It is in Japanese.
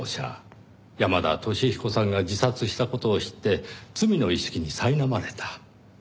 山田俊彦さんが自殺した事を知って罪の意識にさいなまれた。